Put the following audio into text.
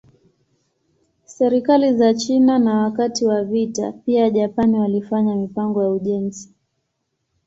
Serikali za China na wakati wa vita pia Japan walifanya mipango ya ujenzi.